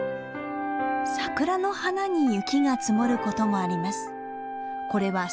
サクラの花に雪が積もることもあります。